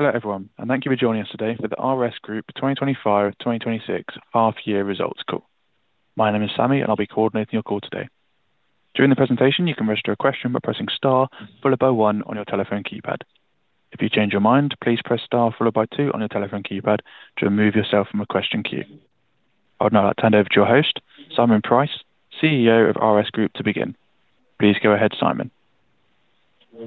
Hello everyone, and thank you for joining us today for the RS Group 2025/2026 half-year results call. My name is Sammy, and I'll be coordinating your call today. During the presentation, you can register a question by pressing star followed by one on your telephone keypad. If you change your mind, please press star followed by two on your telephone keypad to remove yourself from a question queue. I'd now like to hand over to your host, Simon Pryce, CEO of RS Group, to begin. Please go ahead, Simon.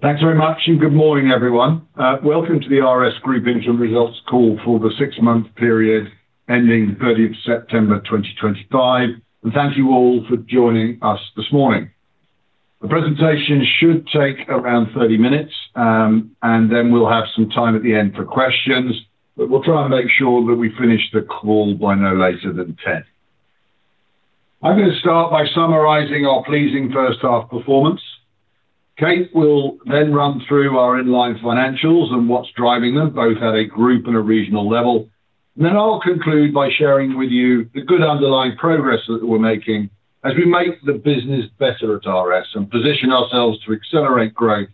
Thanks very much, and good morning everyone. Welcome to the RS Group interim results call for the six-month period ending 30th September 2025, and thank you all for joining us this morning. The presentation should take around 30 minutes, and then we'll have some time at the end for questions, but we'll try and make sure that we finish the call by no later than 10:00 A.M. I'm going to start by summarizing our pleasing first-half performance. Kate will then run through our inline financials and what's driving them, both at a group and a regional level, and then I'll conclude by sharing with you the good underlying progress that we're making as we make the business better at RS and position ourselves to accelerate growth,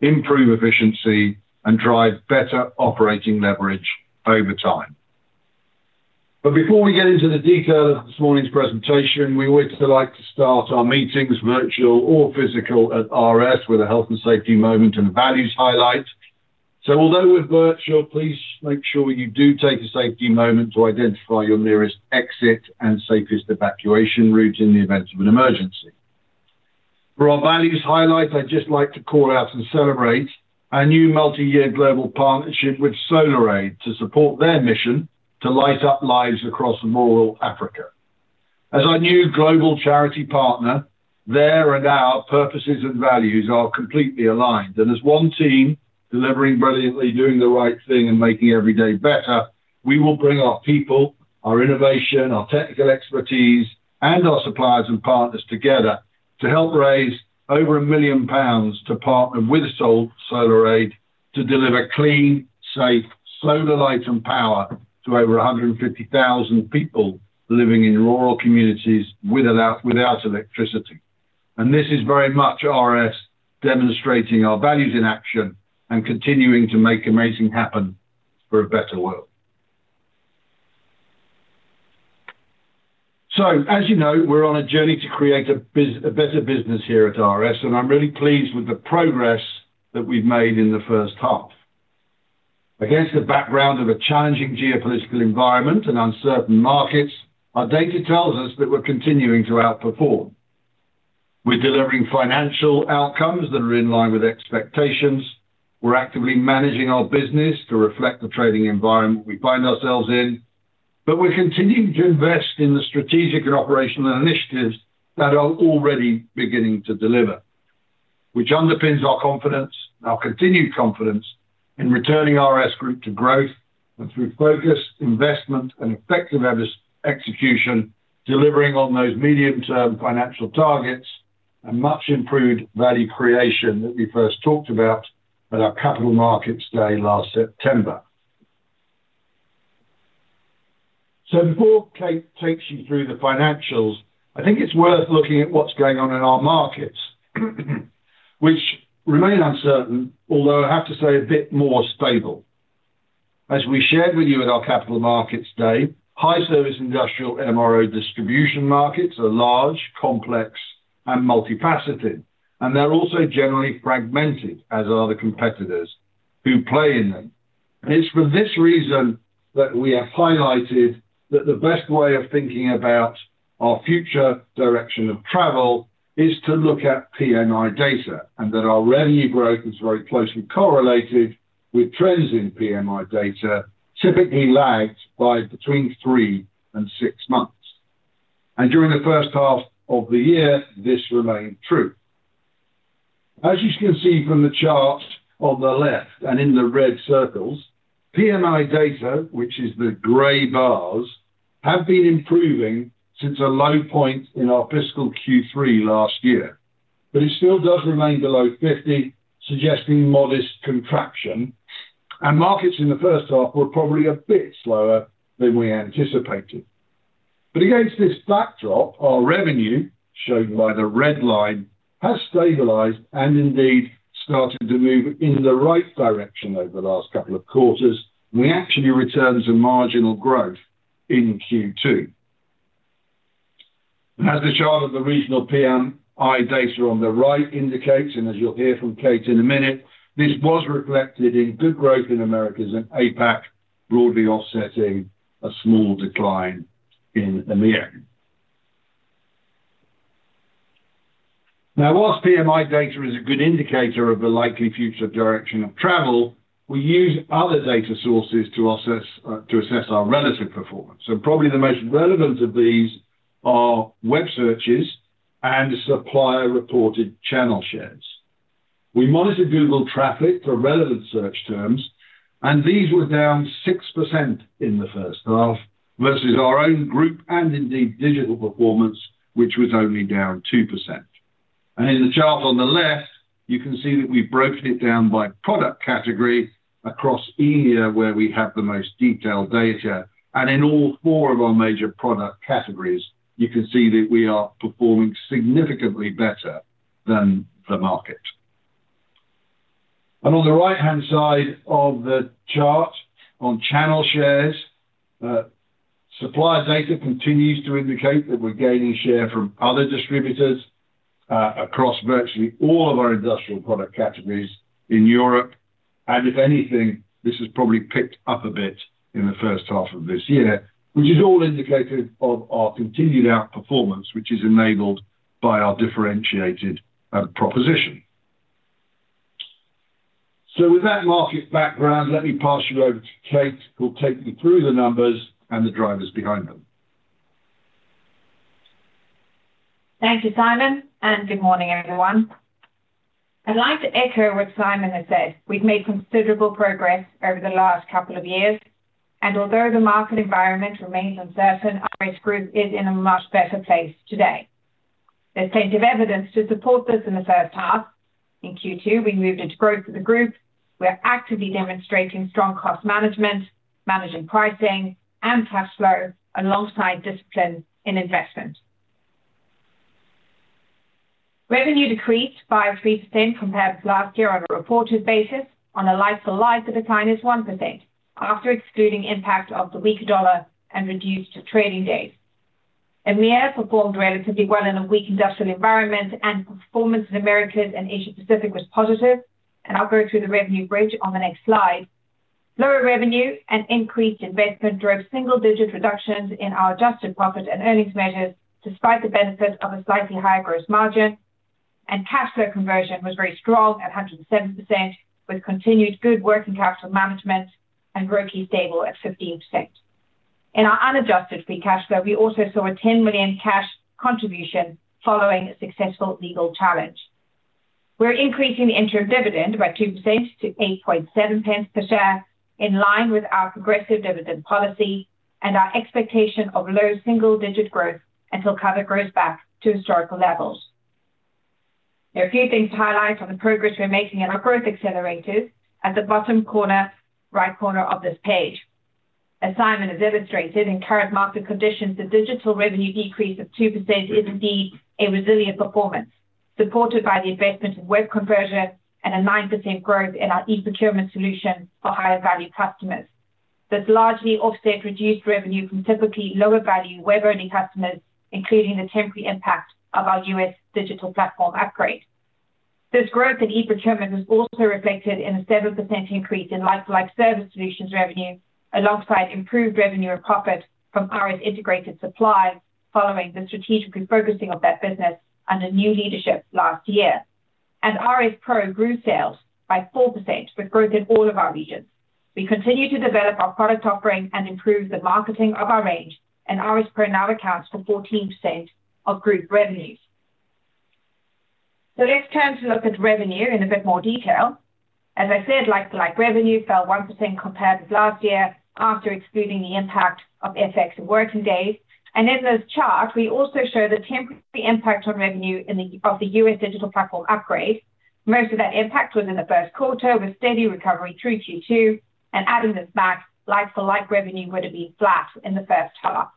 improve efficiency, and drive better operating leverage over time. Before we get into the details of this morning's presentation, we would like to start our meetings, virtual or physical, at RS with a health and safety moment and a values highlight. Although we're virtual, please make sure you do take a safety moment to identify your nearest exit and safest evacuation route in the event of an emergency. For our values highlight, I'd just like to call out and celebrate our new multi-year global partnership with SolarAid to support their mission to light up lives across rural Africa. As our new global charity partner, their and our purposes and values are completely aligned, and as one team delivering brilliantly, doing the right thing, and making every day better, we will bring our people, our innovation, our technical expertise, and our suppliers and partners together to help raise over 1 million pounds to partner with SolarAid to deliver clean, safe solar light and power to over 150,000 people living in rural communities without electricity. This is very much RS demonstrating our values in action and continuing to make amazing happen for a better world. As you know, we're on a journey to create a better business here at RS, and I'm really pleased with the progress that we've made in the first half. Against the background of a challenging geopolitical environment and uncertain markets, our data tells us that we're continuing to outperform. We're delivering financial outcomes that are in line with expectations. We're actively managing our business to reflect the trading environment we find ourselves in, but we're continuing to invest in the strategic and operational initiatives that are already beginning to deliver, which underpins our confidence, our continued confidence in returning RS Group to growth and through focused investment and effective execution, delivering on those medium-term financial targets and much-improved value creation that we first talked about at our Capital Markets Day last September. Before Kate takes you through the financials, I think it's worth looking at what's going on in our markets, which remain uncertain, although I have to say a bit more stable. As we shared with you at our Capital Markets Day, high-service industrial MRO distribution markets are large, complex, and multifaceted, and they're also generally fragmented, as are the competitors who play in them. It is for this reason that we have highlighted that the best way of thinking about our future direction of travel is to look at PMI data, and that our revenue growth is very closely correlated with trends in PMI data, typically lagged by between three and six months. During the first half of the year, this remained true. As you can see from the chart on the left and in the red circles, PMI data, which is the gray bars, have been improving since a low point in our fiscal Q3 last year, but it still does remain below 50, suggesting modest contraction, and markets in the first half were probably a bit slower than we anticipated. Against this backdrop, our revenue, shown by the red line, has stabilized and indeed started to move in the right direction over the last couple of quarters, and we actually returned to marginal growth in Q2. As the chart of the regional PMI data on the right indicates, and as you'll hear from Kate in a minute, this was reflected in good growth in Americas and APAC, broadly offsetting a small decline in EMEA. Now, whilst PMI data is a good indicator of the likely future direction of travel, we use other data sources to assess our relative performance, and probably the most relevant of these are web searches and supplier-reported channel shares. We monitor Google traffic for relevant search terms, and these were down 6% in the first half versus our own group and indeed digital performance, which was only down 2%. In the chart on the left, you can see that we've broken it down by product category across EMEA, where we have the most detailed data, and in all four of our major product categories, you can see that we are performing significantly better than the market. On the right-hand side of the chart on channel shares, supplier data continues to indicate that we're gaining share from other distributors, across virtually all of our industrial product categories in Europe, and if anything, this has probably picked up a bit in the first half of this year, which is all indicative of our continued outperformance, which is enabled by our differentiated proposition. With that market background, let me pass you over to Kate, who'll take you through the numbers and the drivers behind them. Thank you, Simon, and good morning, everyone. I'd like to echo what Simon has said. We've made considerable progress over the last couple of years, and although the market environment remains uncertain, RS Group is in a much better place today. There's plenty of evidence to support this in the first half. In Q2, we moved into growth for the group. We're actively demonstrating strong cost management, managing pricing, and cash flow alongside discipline in investment. Revenue decreased by 3% compared with last year on a reported basis, on a like-for-like, the decline is 1% after excluding impact of the weaker dollar and reduced trading days. EMEA performed relatively well in a weak industrial environment, and performance in the Americas and Asia-Pacific was positive. I'll go through the revenue bridge on the next slide. Lower revenue and increased investment drove single-digit reductions in our adjusted profit and earnings measures, despite the benefit of a slightly higher gross margin, and cash flow conversion was very strong at 107%, with continued good working capital management and growth stable at 15%. In our unadjusted free cash flow, we also saw a 10 million cash contribution following a successful legal challenge. We're increasing the interim dividend by 2% to 0.087 per share, in line with our progressive dividend policy and our expectation of low single-digit growth until cover grows back to historical levels. There are a few things to highlight on the progress we're making in our growth accelerators at the bottom right corner of this page. As Simon has illustrated, in current market conditions, the digital revenue decrease of 2% is indeed a resilient performance, supported by the investment in web converter and a 9% growth in our e-procurement solution for higher-value customers. That has largely offset reduced revenue from typically lower-value web-only customers, including the temporary impact of our U.S. digital platform upgrade. This growth in e-procurement was also reflected in a 7% increase in like-for-like service solutions revenue, alongside improved revenue and profit from RS Integrated Supply, following the strategic refocusing of that business under new leadership last year. RS PRO grew sales by 4% with growth in all of our regions. We continue to develop our product offering and improve the marketing of our range, and RS PRO now accounts for 14% of group revenues. Let's turn to look at revenue in a bit more detail. As I said, like-for-like revenue fell 1% compared with last year after excluding the impact of FX and working days, and in this chart, we also show the temporary impact on revenue of the U.S. digital platform upgrade. Most of that impact was in the first quarter, with steady recovery through Q2, and adding this back, like-for-like revenue would have been flat in the first half.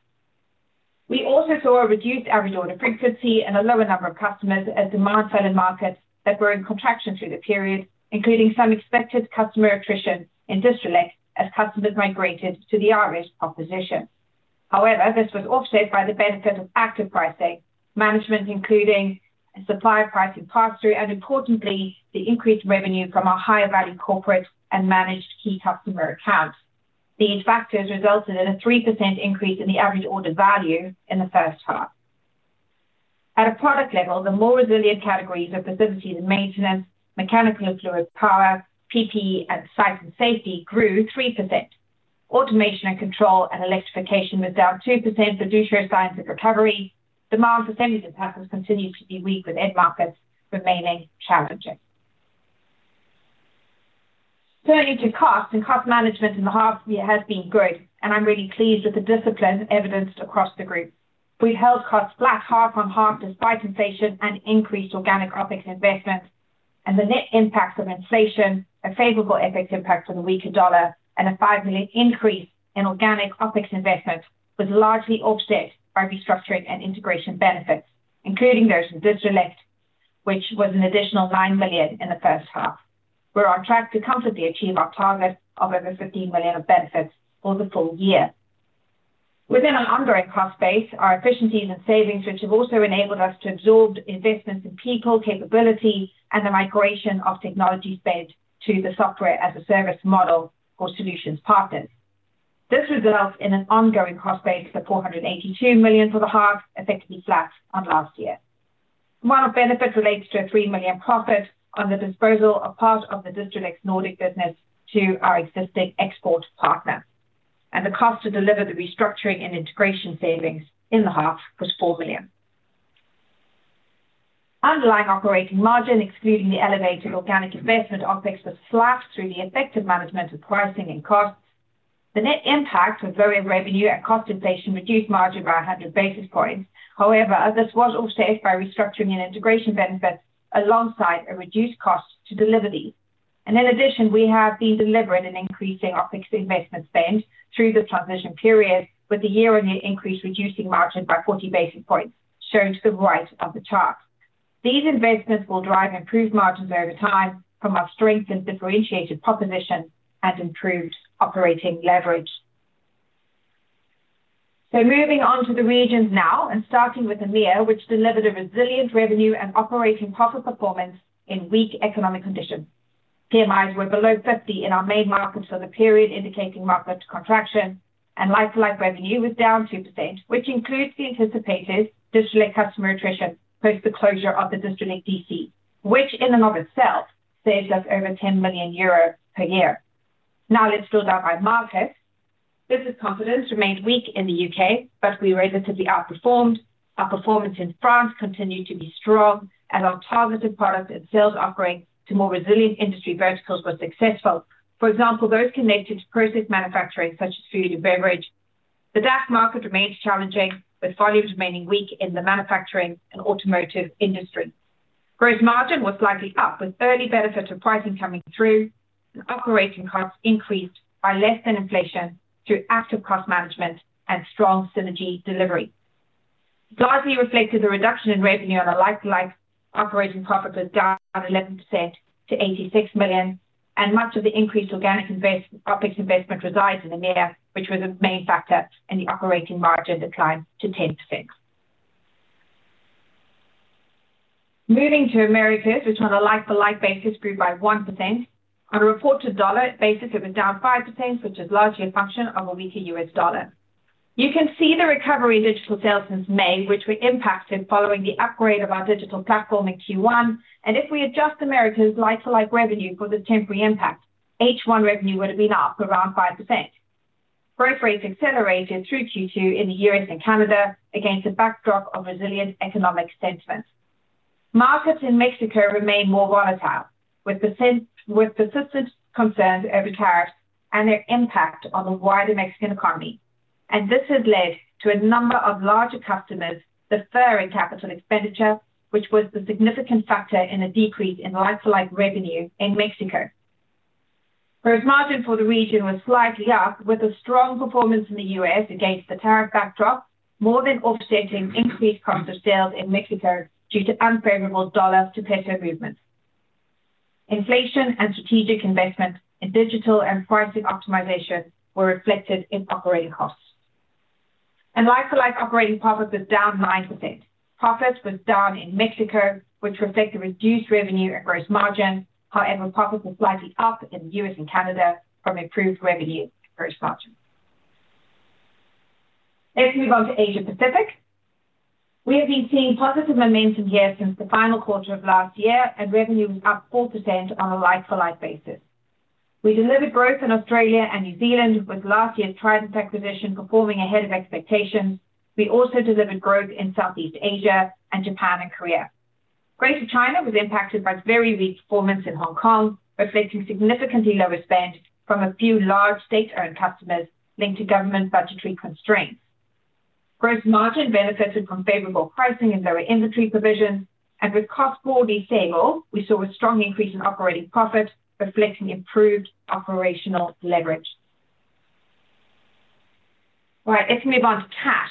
We also saw a reduced average order frequency and a lower number of customers as demand fell in markets that were in contraction through the period, including some expected customer attrition in Distrelec as customers migrated to the RS proposition. However, this was offset by the benefit of active pricing management, including supplier pricing pass-through, and importantly, the increased revenue from our higher-value corporate and managed key customer accounts. These factors resulted in a 3% increase in the average order value in the first half. At a product level, the more resilient categories of Facilities and Maintenance, Mechanical and Fluid Power, PPE and Site and Safety grew 3%. Automation and Control and Electrification was down 2%, producer signs of recovery. Demand for semiconductors continues to be weak, with end markets remaining challenging. Turning to costs and cost management in the half, it has been good, and I'm really pleased with the discipline evidenced across the group. We've held costs flat half on half despite inflation and increased organic OpEx investment, and the net impacts of inflation, a favorable FX impact on the weaker dollar, and a 5 million increase in organic OpEx investment was largely offset by restructuring and integration benefits, including those in Distrelec, which was an additional 9 million in the first half. We're on track to comfortably achieve our target of over 15 million of benefits for the full year. Within an ongoing cost base, our efficiencies and savings, which have also enabled us to absorb investments in people, capability, and the migration of technology spend to the software-as-a-service model for solutions partners. This results in an ongoing cost base of GBP 482 million for the half, effectively flat on last year. One of the benefits relates to a GBP 3 million profit on the disposal of part of the Distrelec Nordic business to our existing export partners, and the cost to deliver the restructuring and integration savings in the half was 4 million. Underlying operating margin, excluding the elevated organic investment OpEx, was flat through the effective management of pricing and costs. The net impact of lowering revenue and cost inflation reduced margin by 100 basis points. However, this was offset by restructuring and integration benefits alongside a reduced cost to deliver these. In addition, we have been delivering an increasing OpEx investment spend through the transition period, with the year-on-year increase reducing margin by 40 basis points, shown to the right of the chart. These investments will drive improved margins over time from our strengthened differentiated proposition and improved operating leverage. Moving on to the regions now and starting with EMEA, which delivered a resilient revenue and operating profit performance in weak economic conditions. PMIs were below 50 in our main markets for the period, indicating market contraction, and like-for-like revenue was down 2%, which includes the anticipated Distrelec customer attrition post the closure of the Distrelec DC, which in and of itself saved us over 10 million euro per year. Now let's build out by markets. Business confidence remained weak in the U.K., but we relatively outperformed. Our performance in France continued to be strong, and our targeted products and sales offering to more resilient industry verticals were successful. For example, those connected to process manufacturing, such as food and beverage. The DACH market remains challenging, with volumes remaining weak in the manufacturing and automotive industry. Gross margin was slightly up, with early benefits of pricing coming through, and operating costs increased by less than inflation through active cost management and strong synergy delivery. It largely reflected the reduction in revenue on a like-for-like operating profit, was down 11% to 86 million, and much of the increased organic OpEx investment resides in EMEA, which was a main factor in the operating margin decline to 10%. Moving to Americas, which on a like-for-like basis grew by 1%. On a reported dollar basis, it was down 5%, which is largely a function of a weaker US dollar. You can see the recovery in digital sales since May, which were impacted following the upgrade of our digital platform in Q1, and if we adjust Americas like-for-like revenue for the temporary impact, H1 revenue would have been up around 5%. Growth rates accelerated through Q2 in the U.S. and Canada against a backdrop of resilient economic sentiment. Markets in Mexico remain more volatile, with persistent concerns over tariffs and their impact on the wider Mexican economy, and this has led to a number of larger customers deferring capital expenditure, which was the significant factor in a decrease in like-for-like revenue in Mexico. Gross margin for the region was slightly up, with a strong performance in the U.S. against the tariff backdrop, more than offsetting increased cost of sales in Mexico due to unfavorable dollar-to-peso movements. Inflation and strategic investment in digital and pricing optimization were reflected in operating costs. Like-for-like operating profit was down 9%. Profit was down in Mexico, which reflected reduced revenue and gross margin. However, profit was slightly up in the U.S. and Canada from improved revenue and gross margin. Let's move on to Asia Pacific. We have been seeing positive momentum here since the final quarter of last year, and revenue was up 4% on a like-for-like basis. We delivered growth in Australia and New Zealand, with last year's Trident acquisition performing ahead of expectations. We also delivered growth in Southeast Asia and Japan and Korea. Greater China was impacted by very weak performance in Hong Kong, reflecting significantly lower spend from a few large state-owned customers linked to government budgetary constraints. Gross margin benefited from favorable pricing and lower inventory provisions, and with cost broadly stable, we saw a strong increase in operating profit, reflecting improved operational leverage. Right, let's move on to cash.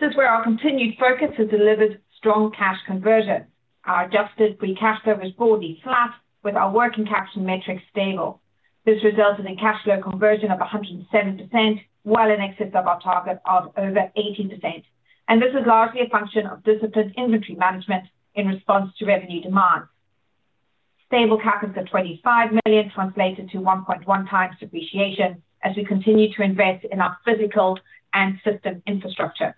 Since where our continued focus has delivered strong cash conversion, our adjusted free cash flow was broadly flat, with our working capital metrics stable. This resulted in cash flow conversion of 107%, well in excess of our target of over 18%, and this was largely a function of disciplined inventory management in response to revenue demands. Stable capital of 25 million translated to 1.1x depreciation as we continue to invest in our physical and system infrastructure.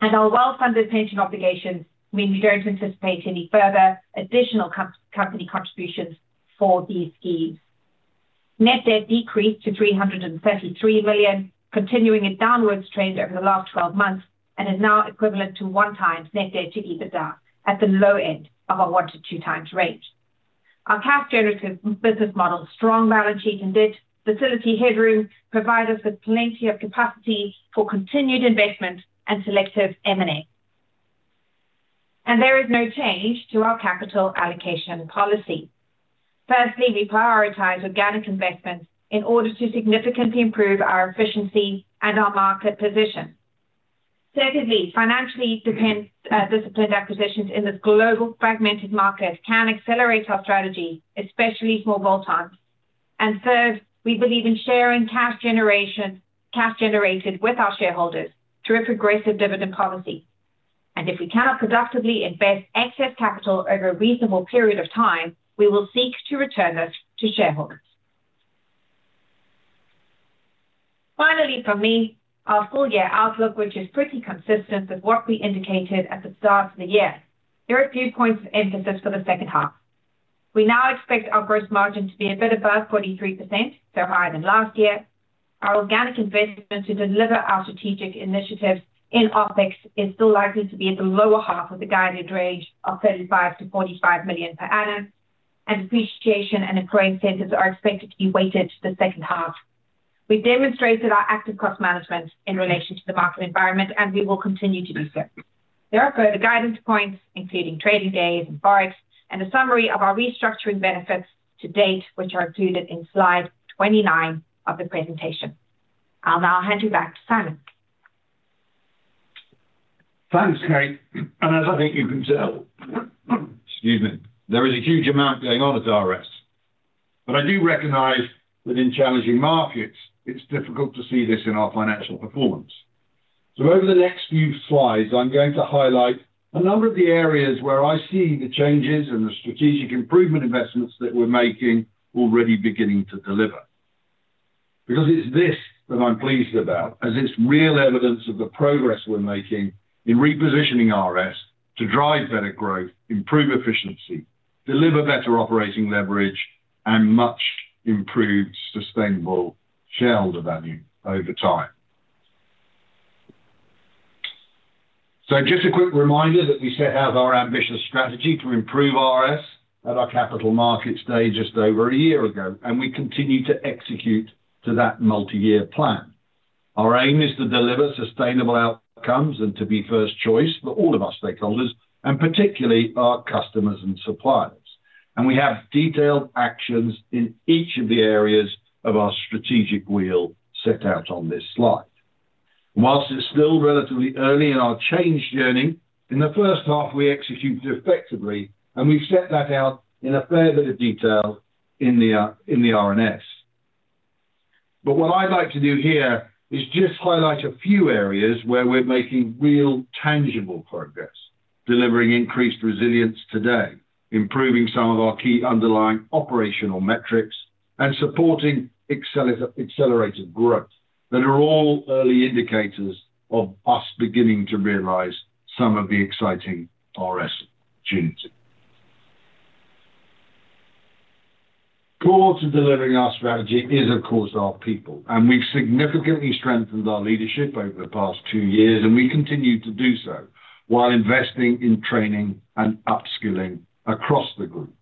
Our well-funded pension obligations mean we do not anticipate any further additional company contributions for these schemes. Net debt decreased to 333 million, continuing a downward trend over the last 12 months, and is now equivalent to one-time net debt to EBITDA at the low end of our 1x-2x range. Our cash-generative business model's strong balance sheet and facility headroom provide us with plenty of capacity for continued investment and selective M&A. There is no change to our capital allocation policy. Firstly, we prioritize organic investments in order to significantly improve our efficiency and our market position. Secondly, financially disciplined acquisitions in this global fragmented market can accelerate our strategy, especially small bolt-ons. Third, we believe in sharing cash generated with our shareholders through a progressive dividend policy. If we cannot productively invest excess capital over a reasonable period of time, we will seek to return this to shareholders. Finally, from me, our full year outlook, which is pretty consistent with what we indicated at the start of the year. There are a few points of emphasis for the second half. We now expect our gross margin to be a bit above 43%, so higher than last year. Our organic investment to deliver our strategic initiatives in OpEx is still likely to be at the lower half of the guided range of 35 million-45 million per annum, and depreciation and accruing centers are expected to be weighted to the second half. We have demonstrated our active cost management in relation to the market environment, and we will continue to do so. There are further guidance points, including trading days and forex, and a summary of our restructuring benefits to date, which are included in slide 29 of the presentation. I'll now hand you back to Simon. Thanks, Kate. As I think you can tell, excuse me, there is a huge amount going on at RS, but I do recognize that in challenging markets, it's difficult to see this in our financial performance. Over the next few slides, I'm going to highlight a number of the areas where I see the changes and the strategic improvement investments that we're making already beginning to deliver. Because it's this that I'm pleased about, as it's real evidence of the progress we're making in repositioning RS to drive better growth, improve efficiency, deliver better operating leverage, and much improved sustainable shareholder value over time. Just a quick reminder that we set out our ambitious strategy to improve RS at our capital market stage just over a year ago, and we continue to execute to that multi-year plan. Our aim is to deliver sustainable outcomes and to be first choice for all of our stakeholders, particularly our customers and suppliers. We have detailed actions in each of the areas of our strategic wheel set out on this slide. Whilst it is still relatively early in our change journey, in the first half, we executed effectively, and we have set that out in a fair bit of detail in the R&S. What I'd like to do here is just highlight a few areas where we're making real tangible progress, delivering increased resilience today, improving some of our key underlying operational metrics, and supporting accelerated growth that are all early indicators of us beginning to realize some of the exciting RS opportunity. Core to delivering our strategy is, of course, our people, and we've significantly strengthened our leadership over the past two years, and we continue to do so while investing in training and upskilling across the group.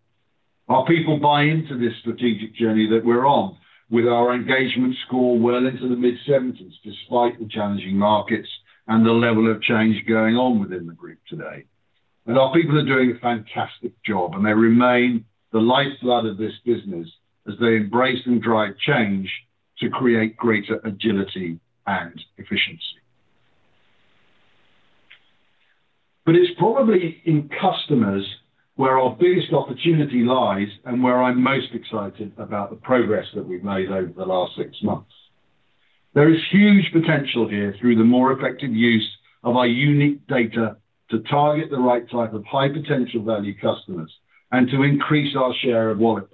Our people buy into this strategic journey that we're on with our engagement score well into the mid-70s, despite the challenging markets and the level of change going on within the group today. Our people are doing a fantastic job, and they remain the lifeblood of this business as they embrace and drive change to create greater agility and efficiency. It is probably in customers where our biggest opportunity lies and where I am most excited about the progress that we have made over the last six months. There is huge potential here through the more effective use of our unique data to target the right type of high-potential value customers and to increase our share of wallet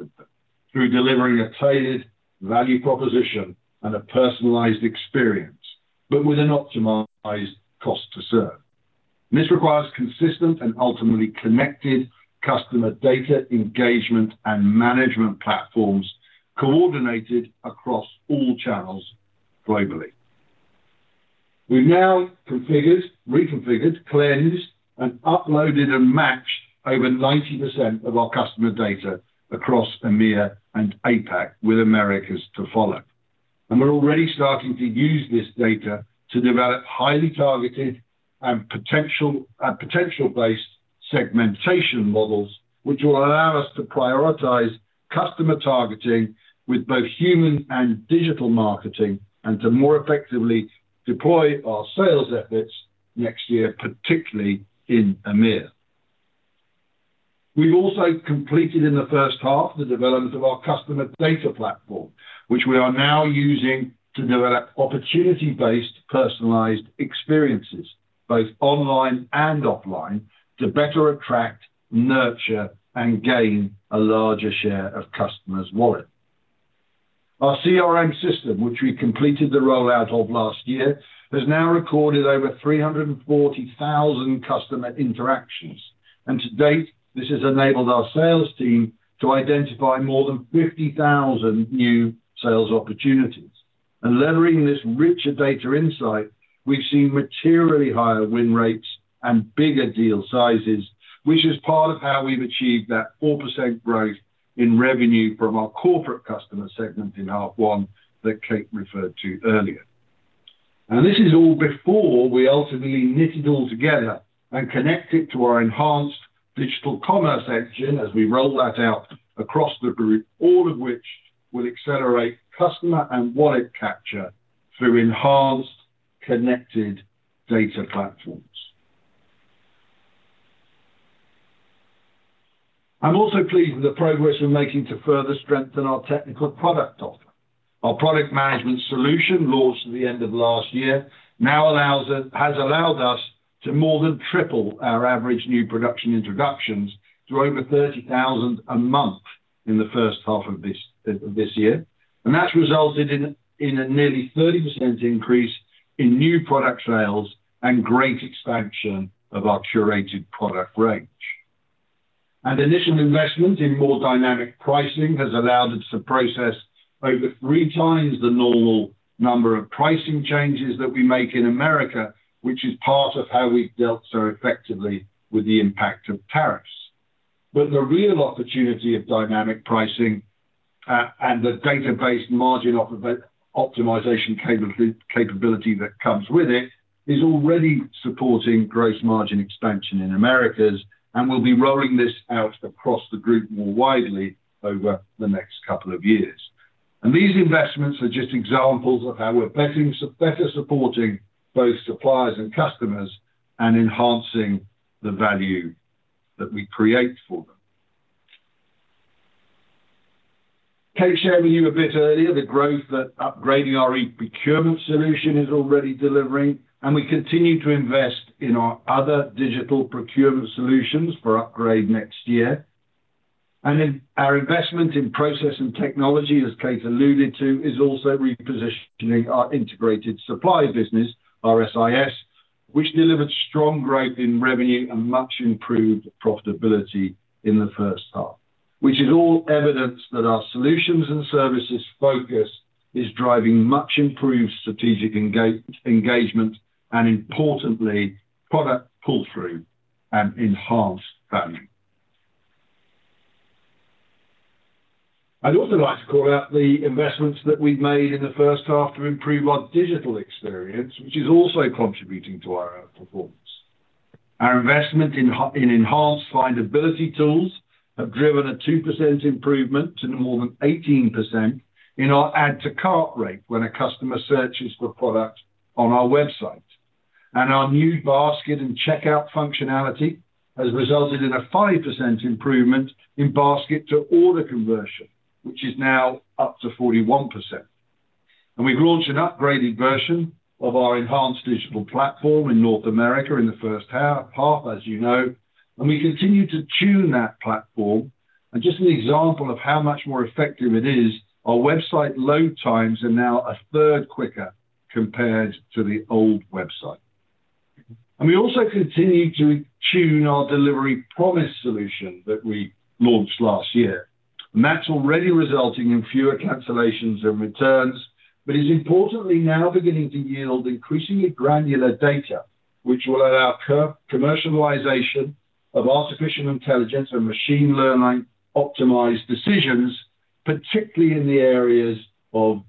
through delivering a tailored value proposition and a personalized experience, but with an optimized cost to serve. This requires consistent and ultimately connected customer data engagement and management platforms coordinated across all channels globally. We have now reconfigured, cleansed, and uploaded and matched over 90% of our customer data across EMEA and APAC with Americas to follow. We're already starting to use this data to develop highly targeted and potential-based segmentation models, which will allow us to prioritize customer targeting with both human and digital marketing and to more effectively deploy our sales efforts next year, particularly in EMEA. We've also completed in the first half the development of our customer data platform, which we are now using to develop opportunity-based personalized experiences, both online and offline, to better attract, nurture, and gain a larger share of customers' wallet. Our CRM system, which we completed the rollout of last year, has now recorded over 340,000 customer interactions, and to date, this has enabled our sales team to identify more than 50,000 new sales opportunities. Leveraging this richer data insight, we've seen materially higher win rates and bigger deal sizes, which is part of how we've achieved that 4% growth in revenue from our corporate customer segment in half one that Kate referred to earlier. This is all before we ultimately knitted it all together and connected to our enhanced digital commerce engine as we rolled that out across the group, all of which will accelerate customer and wallet capture through enhanced connected data platforms. I'm also pleased with the progress we're making to further strengthen our technical product offer. Our product management solution, launched at the end of last year, now has allowed us to more than triple our average new product introductions to over 30,000 a month in the first half of this year. That has resulted in a nearly 30% increase in new product sales and great expansion of our curated product range. Initial investment in more dynamic pricing has allowed us to process over three times the normal number of pricing changes that we make in America, which is part of how we have dealt so effectively with the impact of tariffs. The real opportunity of dynamic pricing and the database margin optimization capability that comes with it is already supporting gross margin expansion in Americas and will be rolling this out across the group more widely over the next couple of years. These investments are just examples of how we are better supporting both suppliers and customers and enhancing the value that we create for them. Kate shared with you a bit earlier the growth that upgrading our e-procurement solution is already delivering, and we continue to invest in our other digital procurement solutions for upgrade next year. Our investment in process and technology, as Kate alluded to, is also repositioning our integrated supply business, RSIS, which delivered strong growth in revenue and much improved profitability in the first half, which is all evidence that our solutions and services focus is driving much improved strategic engagement and, importantly, product pull-through and enhanced value. I'd also like to call out the investments that we've made in the first half to improve our digital experience, which is also contributing to our performance. Our investment in enhanced findability tools have driven a 2% improvement to more than 18% in our add-to-cart rate when a customer searches for product on our website. Our new basket and checkout functionality has resulted in a 5% improvement in basket-to-order conversion, which is now up to 41%. We have launched an upgraded version of our enhanced digital platform in North America in the first half, as you know, and we continue to tune that platform. Just an example of how much more effective it is, our website load times are now a third quicker compared to the old website. We also continue to tune our delivery promise solution that we launched last year. That is already resulting in fewer cancellations and returns, but is importantly now beginning to yield increasingly granular data, which will allow commercialization of artificial intelligence and machine learning optimized decisions, particularly in the areas of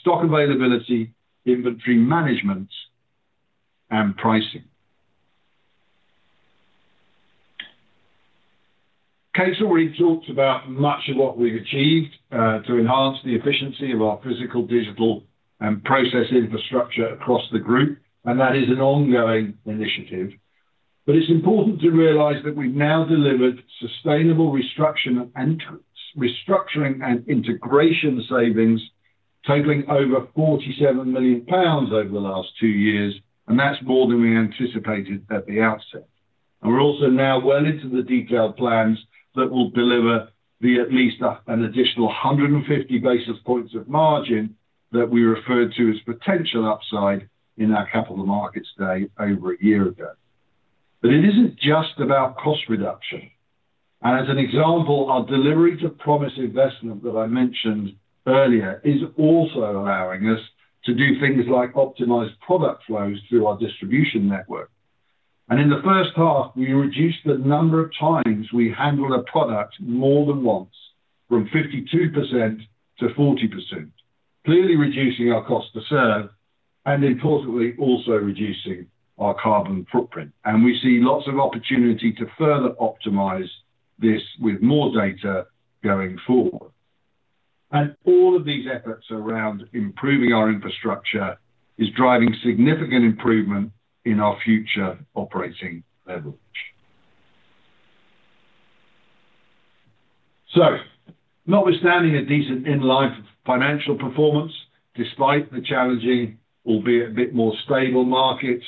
stock availability, inventory management, and pricing. Kate's already talked about much of what we've achieved to enhance the efficiency of our physical, digital, and process infrastructure across the group, and that is an ongoing initiative. It's important to realize that we've now delivered sustainable restructuring and integration savings, totaling over 47 million pounds over the last two years, and that's more than we anticipated at the outset. We're also now well into the detailed plans that will deliver at least an additional 150 basis points of margin that we referred to as potential upside in our Capital Markets Day over a year ago. It isn't just about cost reduction. As an example, our delivery to promise investment that I mentioned earlier is also allowing us to do things like optimize product flows through our distribution network. In the first half, we reduced the number of times we handled a product more than once from 52% to 40%, clearly reducing our cost to serve and, importantly, also reducing our carbon footprint. We see lots of opportunity to further optimize this with more data going forward. All of these efforts around improving our infrastructure are driving significant improvement in our future operating leverage. Notwithstanding a decent inline financial performance, despite the challenging, albeit a bit more stable markets,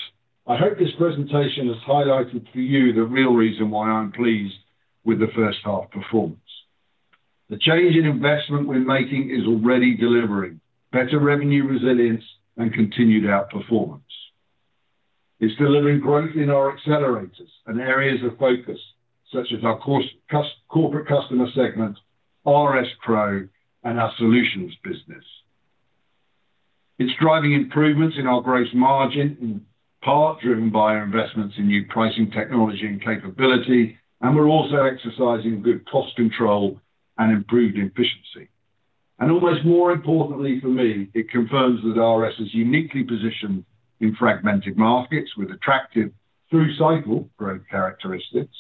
I hope this presentation has highlighted for you the real reason why I'm pleased with the first half performance. The change in investment we're making is already delivering better revenue resilience and continued outperformance. It's delivering growth in our accelerators and areas of focus, such as our corporate customer segment, RS PRO, and our solutions business. It's driving improvements in our gross margin, in part driven by our investments in new pricing technology and capability, and we're also exercising good cost control and improved efficiency. Almost more importantly for me, it confirms that RS is uniquely positioned in fragmented markets with attractive through-cycle growth characteristics.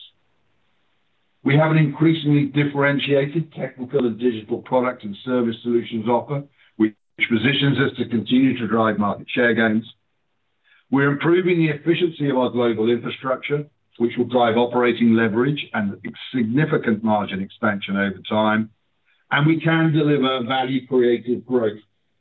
We have an increasingly differentiated technical and digital product and service solutions offer, which positions us to continue to drive market share gains. We're improving the efficiency of our global infrastructure, which will drive operating leverage and significant margin expansion over time. We can deliver value-creative growth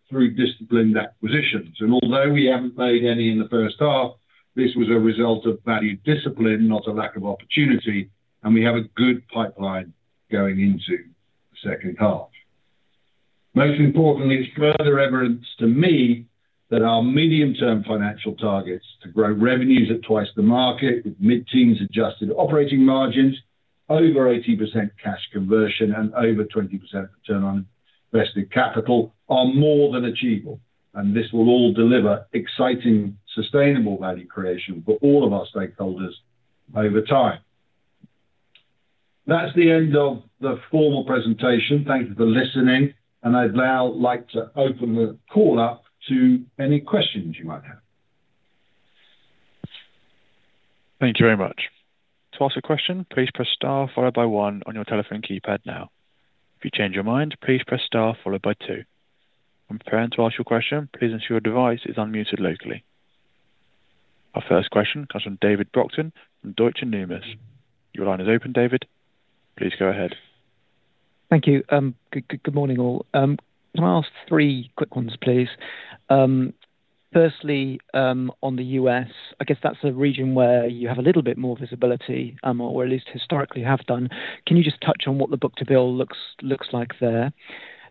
through disciplined acquisitions. Although we haven't made any in the first half, this was a result of value discipline, not a lack of opportunity, and we have a good pipeline going into the second half. Most importantly, it's further evidence to me that our medium-term financial targets to grow revenues at twice the market with mid-teens adjusted operating margins, over 80% cash conversion, and over 20% return on invested capital are more than achievable. This will all deliver exciting sustainable value creation for all of our stakeholders over time. That's the end of the formal presentation. Thank you for listening. I would now like to open the call up to any questions you might have. Thank you very much. To ask a question, please press star followed by one on your telephone keypad now. If you change your mind, please press star followed by two. When preparing to ask your question, please ensure your device is unmuted locally. Our first question comes from David Brockton from Deutsche Numis. Your line is open, David. Please go ahead. Thank you. Good morning, all. Can I ask three quick ones, please? Firstly, on the U.S., I guess that's a region where you have a little bit more visibility, or at least historically have done. Can you just touch on what the book-to-bill looks like there?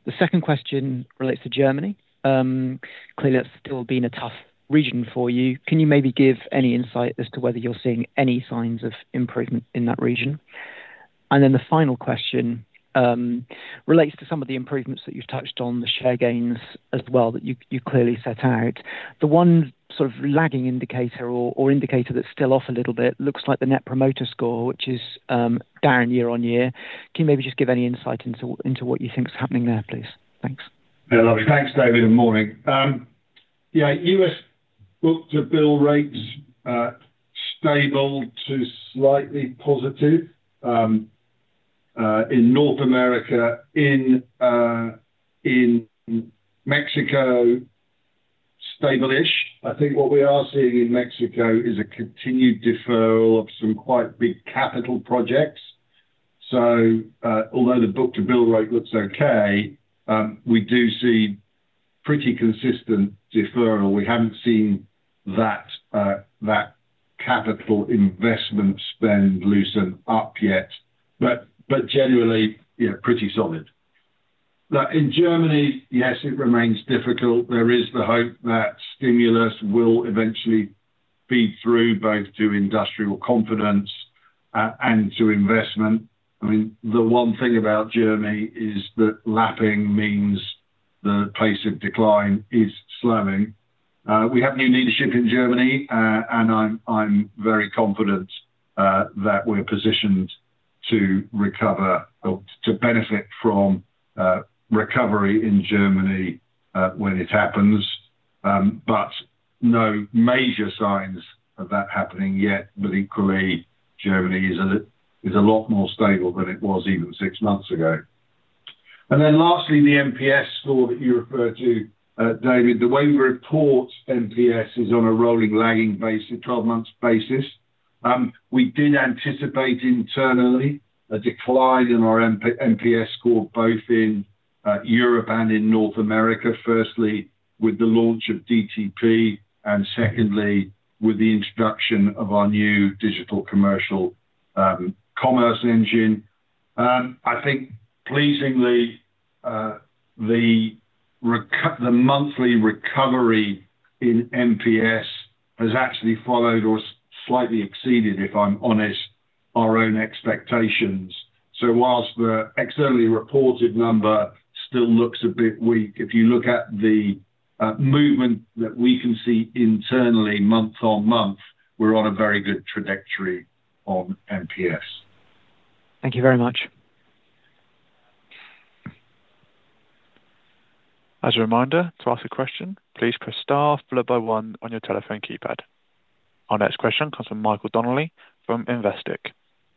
The second question relates to Germany. Clearly, that's still been a tough region for you. Can you maybe give any insight as to whether you're seeing any signs of improvement in that region? And then the final question relates to some of the improvements that you've touched on, the share gains as well, that you clearly set out. The one sort of lagging indicator or indicator that's still off a little bit looks like the net promoter score, which is down year-on-year. Can you maybe just give any insight into what you think is happening there, please? Thanks. Lovely. Thanks, David. Good morning. Yeah, U.S. book-to-bill rates are stable to slightly positive. In North America, in Mexico, stable. I think what we are seeing in Mexico is a continued deferral of some quite big capital projects. So although the book-to-bill rate looks okay, we do see pretty consistent deferral. We haven't seen that capital investment spend loosen up yet, but generally, pretty solid. In Germany, yes, it remains difficult. There is the hope that stimulus will eventually feed through both to industrial confidence and to investment. I mean, the one thing about Germany is that lapping means the pace of decline is slowing. We have new leadership in Germany, and I'm very confident that we're positioned to recover or to benefit from recovery in Germany when it happens. No major signs of that happening yet, but equally, Germany is a lot more stable than it was even six months ago. Lastly, the NPS score that you refer to, David, the way we report NPS is on a rolling lagging basis, 12-month basis. We did anticipate internally a decline in our NPS score, both in Europe and in North America, firstly with the launch of DTP and secondly with the introduction of our new digital commerce engine. I think, pleasingly, the monthly recovery in NPS has actually followed or slightly exceeded, if I'm honest, our own expectations. Whilst the externally reported number still looks a bit weak, if you look at the movement that we can see internally month on month, we're on a very good trajectory on NPS. Thank you very much. As a reminder, to ask a question, please press star followed by one on your telephone keypad. Our next question comes from Michael Donnelly from Investec.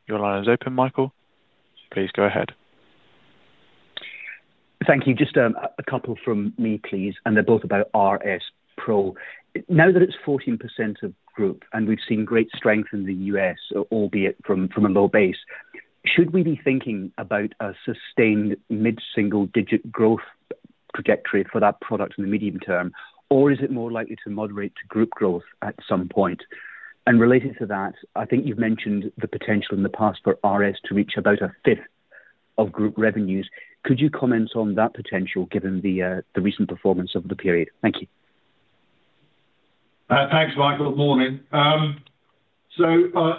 Your line is open, Michael. Please go ahead. Thank you. Just a couple from me, please. And they're both about RS PRO. Now that it's 14% of group, and we've seen great strength in the U.S., albeit from a low base, should we be thinking about a sustained mid-single-digit growth trajectory for that product in the medium term, or is it more likely to moderate to group growth at some point? And related to that, I think you've mentioned the potential in the past for RS to reach about a fifth of group revenues. Could you comment on that potential given the recent performance of the period? Thank you. Thanks, Michael. Good morning. So.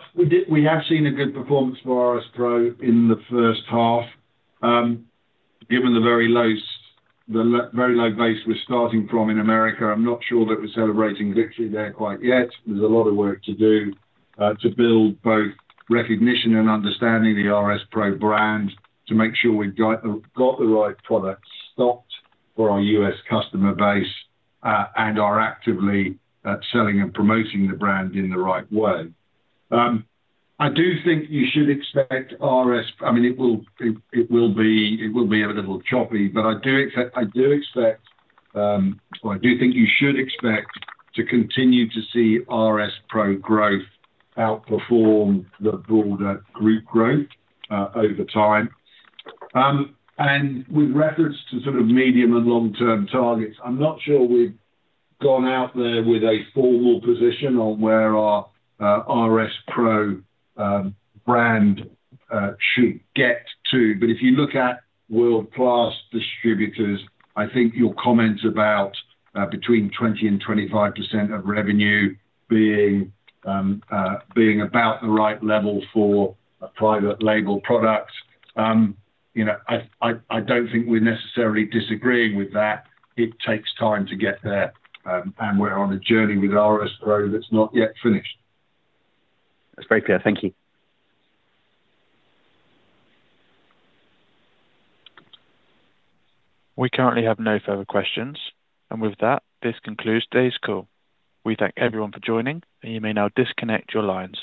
We have seen a good performance for RS PRO in the first half. Given the very low base we're starting from in America, I'm not sure that we're celebrating victory there quite yet. There's a lot of work to do to build both recognition and understanding of the RS PRO brand, to make sure we've got the right products stocked for our U.S. customer base and are actively selling and promoting the brand in the right way. I do think you should expect RS—I mean, it will be a little choppy—but I do expect, or I do think you should expect to continue to see RS PRO growth outperform the broader group growth over time. With reference to sort of medium and long-term targets, I'm not sure we've gone out there with a formal position on where our RS PRO brand should get to. If you look at world-class distributors, I think your comments about between 20% and 25% of revenue being about the right level for a private label product. I do not think we are necessarily disagreeing with that. It takes time to get there. We are on a journey with RS PRO that is not yet finished. That's very clear. Thank you. We currently have no further questions. With that, this concludes today's call. We thank everyone for joining, and you may now disconnect your lines.